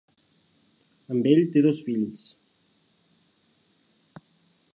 Amb ell té dos fills.